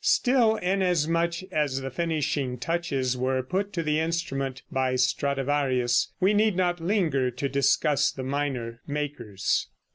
Still, inasmuch as the finishing touches were put to the instrument by Stradivarius, we need not linger to discuss the minor makers.